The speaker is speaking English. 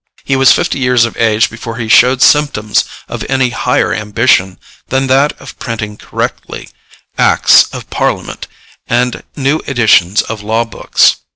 He was fifty years of age before he showed symptoms of any higher ambition than that of printing correctly acts of Parliament and new editions of law books.